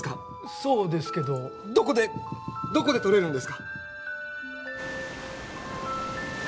そうですけどどこでどこで採れるんですか？